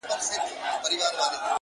بس ده ه د غزل الف و با مي کړه-